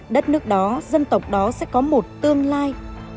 đất nước đó dân tộc đó sẽ có một tương lai